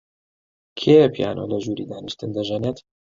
کێیە پیانۆ لە ژووری دانیشتن دەژەنێت؟